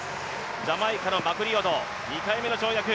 ジャマイカのマクリオド、２回目の跳躍。